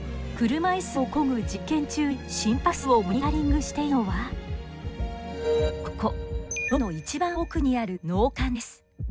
車いすをこぐ実験中に心拍数をモニタリングしていたのはここ脳の一番奥にある脳幹です。